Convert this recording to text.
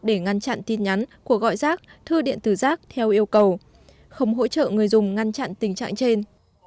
để ngăn chặn tin nhắn của gọi rác thư điện tử rác theo yêu cầu không hỗ trợ người dùng ngăn chặn tình trạng trên